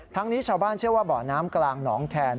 นี้ชาวบ้านเชื่อว่าบ่อน้ำกลางหนองแคน